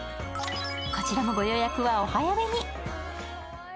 こちらもご予約はお早めに。